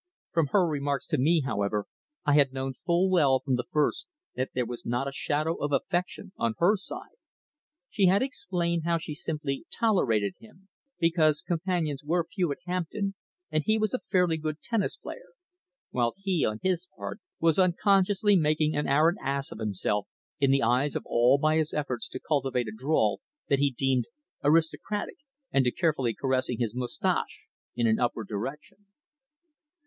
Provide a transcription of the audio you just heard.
From her remarks to me, however, I had known full well from the first that there was not a shadow of affection on her side. She had explained how she simply tolerated him because companions were few at Hampton and he was a fairly good tennis player, while he, on his part, was unconsciously making an arrant ass of himself in the eyes of all by his efforts to cultivate a drawl that he deemed aristocratic, and to carefully caressing his moustache in an upward direction.